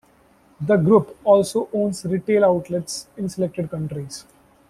The Group also owns retail outlets in selected countries.